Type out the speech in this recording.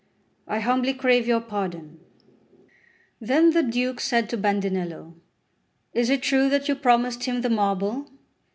I humbly crave your pardon." Then the Duke said to Bandinello: "Is it true that you promised him the marble?"